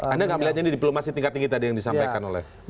anda nggak melihatnya ini diplomasi tingkat tinggi tadi yang disampaikan oleh